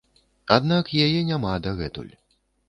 Аднак яе няма дагэтуль.